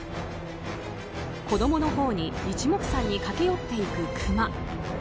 子供のほうに一目散に駆け寄っていくクマ。